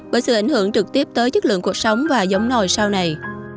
bởi sự ảnh hưởng trực tiếp tới chất lượng cuộc sống và giống nồi sau này